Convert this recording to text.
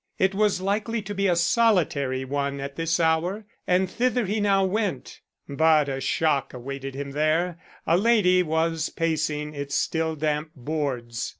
It was likely to be a solitary one at this hour, and thither he now went. But a shock awaited him there. A lady was pacing its still damp boards.